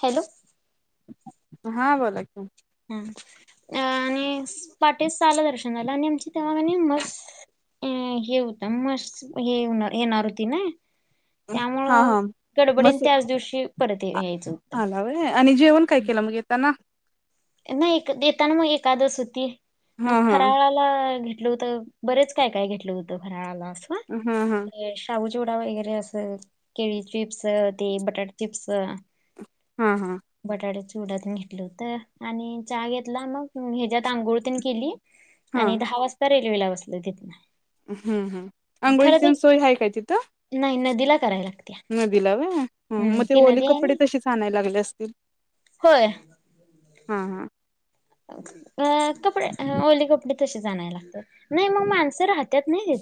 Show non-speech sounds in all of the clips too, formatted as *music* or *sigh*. Hello हा बोलाच आणि पाटेस आलं दर्शनाला आणि आमची तेव्हाघा मस् अ हे होतं मस्त हेणार येणार होती ना हा त्यामुळं हा गडबडीन मसे त्याच दिवशी परत यायचं होतं आलाव आणि जेवण काय केलं मग येताना नाही एक देताना मग एकादस होती मग हा हा फराळाला घेत घलं होत बरेच काय काय घेतलं होतं फराळाला ह हा हा ते सबुज चुडा वगैरे अस केळी चिप्स ते बटाट चिप्स हा हा. बटाट्याच चिवड्याातून घेतलं तर आणि चहा घेतला मग ह्याच्या्यात आंघोळतून केली हा आणि दहा वाजता रेल्वे लाव क नाही हम्म हम् आंघोळीचीन सोय हाय काय तिथं दिला करायला नदीला होय मग ती ओली आहे कपडे ना तसेच आणायला लागले असतील होय हा हा अ कपडे ओले कपडे तसेच आणायला नाही मग माणस राहत्यात नाही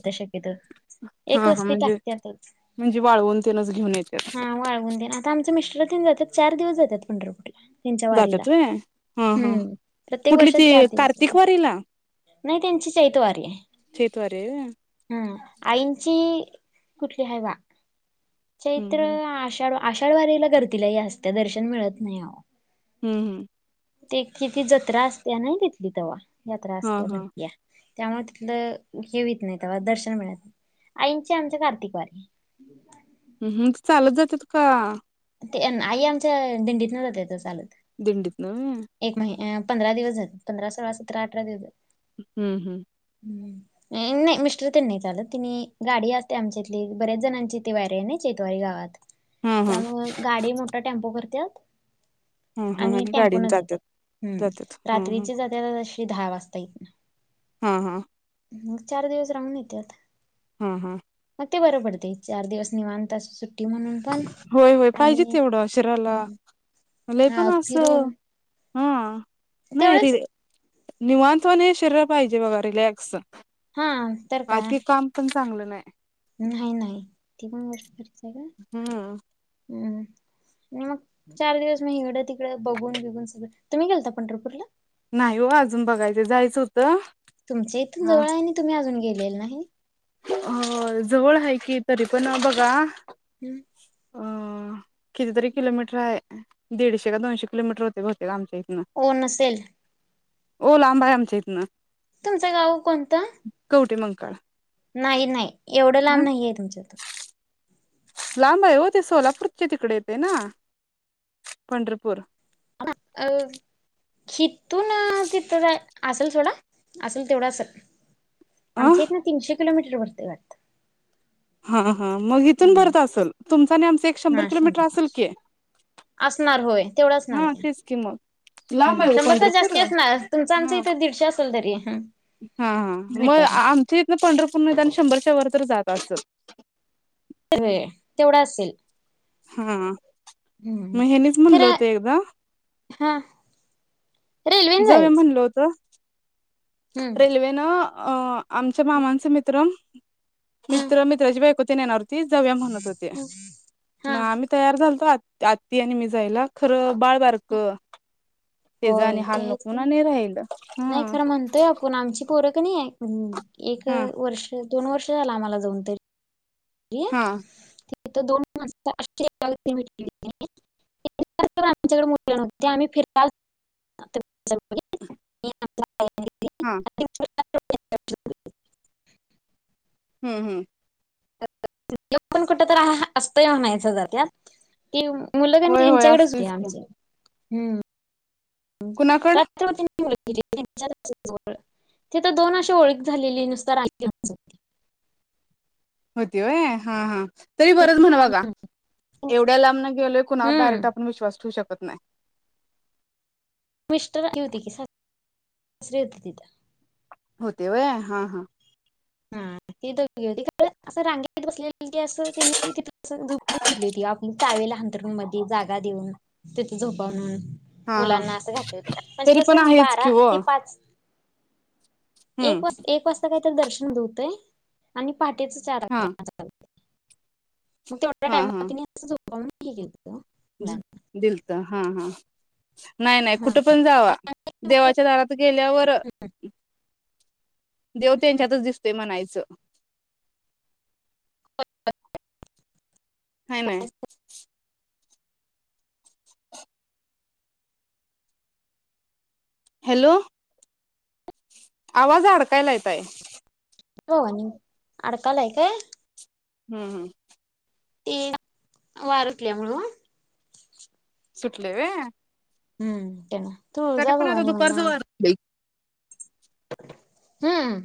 एक हा हा वस्ती म्हणजे टाकत्यातच म्हणजे वाळवून तेनच घेऊन येत्यात वाळवून तेन आता आमच्या मिस्टर तेन जातात चार दिवस जातात पंढरपूरला त्यांच्या वारीला जातात होय हम् हम् हम्म प्रत्येक वर्षात चार दिवस जात्यात हो नाही त्यांची चैत वारी चैतवारी हाय व्हय? आहे आईची कुठली हाय बा हम्म चैत्र हम्म आषाढ आषाढ वारीला गर्दी लय आसत्या दर्शन मिळत नाही हम्म हम्म ते कि ती जत्रा असते नाही थितली तवा यात्रा हा असत्या हा भरत्या. त्यामुळे तिथलं हे वीत नाही तेव्हा दर्शन मिळत नाही, आईंची आमच्या कार्तिक वारी. हम्म चालत जात्यात का? ते आई आमच्या दिंडीत न जात्यात चालत. दिंडीत न होय. एक महि पंधरा दिवस जात्यात पंधरा सोळा सतरा अठरा दिवस हम्म हम्म. नाही मिस्टर तेन नाही चालंत तिने गाडी असते, आमच्या इथली बऱ्याच जणांची ती वारी आहे ना चैतवारी गावात. हा हा त्यामुळ गाडी मोठा टेम्पो करत्यात. हा हा आणि टेम्पो गाडीन न जात्यात. जातात हम् जातात हं हं रात्रीचे जात्यात दहा वाजता ईथन. हा, हा. मग चार दिवस राहून येत्यात. हं हं मग ते बरं पडतेय चार दिवस निवांत असं सुट सुट्टी म्हणून पण, होय होय पाहिजे ते आणि तेवढं शरीराला. लय पण हा अस, फिरून हम! नाही री तेवढंच निवांतवाणी शरीराला पाहिजे बघा रिलॅक्स, हा तर काय. अति काम पण चांगलं नाही. नाही नाही ती पण गोष्ट खरीच, आहे का हम्म! हम्म मग चार दिवस मग इडं तिकडं बघून बिघून सगळं तुम्ही गेलता पंढरपूरला? नाही हो अजून बघायचं जायचं होतं. तुमच्या इथून हां जवळ आहे आणि तुम्ही अजून गे गेला नाही. अ जवळ आहे की तरीपण बघा, हम्म. ह? कितीतरी किलोमीटर आहे. दीडशे का दोनशे किलोमीटर होते बहुतेक आमच्या ओ नसेल. हो लांब आहे, आमच्या इथनं. तुमचं गाव कोणतं? का नाही नाही एवढं लांब नाहीय तुमच्यातून लांब आहे हो ते सोलापूरचे तिकडे येते ना. पंढरपूर अं शीत तो ना *unintelligible* असेल *unintelligible* असेल तेवढं असेल. अ *unintelligible* तीनशे किलोमीटर वरती *unintelligible* हा हा मग इथून बरंच असेल तुमचा आणि आमच इथून शंभर किलोमीटर असेल की असणार होय तेवढं असणार हा की तेच कि मग लांब हम्म आहे. शंभर तास पंढरपूर जास्ती हा असणार तुमचं आमचं हा इथं दीडशे असेल तरी हा मग मीटर आमच्या इथून पंढरपूर शंभरच्या वर तर जात. *unintelligible* व्हय तेवढं असेल. हां हम्म मग हयांनीच म्हणल होत खरं एकदा हा रेल्वेने जवळ जायचं म्हणल होत. हम्म रेल्वेन अ आमच्या मामांचे मित्र हम्म मित्र मित्राची बायको *unintelligible* *unintelligible* हम्म हा मग आम्ही तयार झालतो. आ आत्ती आणि मी जायला खरं बाळ बारख. ते होय जाणी ते हाल आहेच नको की नी राहिलं हा. कोण आमची पोर कनी अअ एक हा वर्ष दोन वर्ष झालं आम्हाला जाऊन तरी हा थ दोनण आमच्याकडेठ्ह आम्ही फिर *unintelligible* च *unintelligible* हा *unintelligible* हम्म हम्म. *unintelligible* पण कुठ तर असतोय म्हणायचं. ज त्यात कि मुलं आणि होय होय त्यांच्याकडेच होते असतोयच की आमच हम्म. अ कुणाकड रात त *unintelligible* ते तर दोन अशे ओळख झालेली नुसतं *unintelligible* होती होय हां हां. तरी बरंच म्हण दादा एवढ्या लांब न गेलोय कुणावर हम्म. डायरेक्ट आपण विश्वास ठेवू शक कत नाही. मिस्टर आले *unintelligible* सासरे होते तिथं. होते होय हां हां. हां ती दोघे होते *unintelligible* असं रांगेत बसलेले *inaudible* टावेल हंतरुण मधी जागा देऊन तिथं झोपा म्हणून हा हा मुलांना असं घातलं होतं म्हणजे तरी पण कसं आहेच बारा कि ओ ते पाच एक हम्म वाज एक वाजता काही *unintelligible* बंद हुतंय आणि पहाटेचं *inaudible* *inaudible* हा म तेवढ्या *unintelligible* *inaudible* मुलांना दिलता. हा, हा. नाही-नाही हा कुठे पण जावा देवाच्या दारात गेल्यावर. देव तेच्यातच दिसतोय म्हणायचं. *inaudible* हाय नाय. हॅलो. आवाज अडकायलाय ताई. होय अडकालाय काय. हम्म, हम्म. ते वारं सुटल्यामुळ ओ. सुटलय वय. हम्म त्यांण. तरी पण आता दुपारचं वार सुटलय की. हम्म.